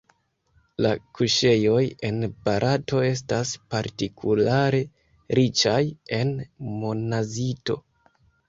La kuŝejoj en Barato estas partikulare riĉaj en monazito.